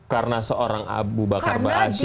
karena seorang abu bakar ba'asyir